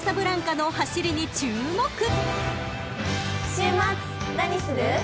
週末何する？